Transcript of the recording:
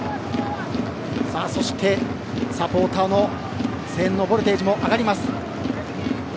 そして、サポーターの声援のボルテージも上がります。